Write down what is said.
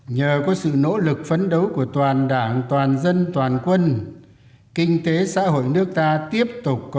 nhờ có sự nỗ lực phấn đấu của toàn đảng toàn dân toàn quân kinh tế xã hội nước ta tiếp tục có